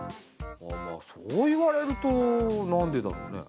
ああまあそう言われるとなんでだろうね？